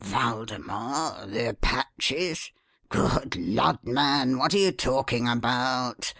"Waldemar? The Apaches? Good lud, man, what are you talking about?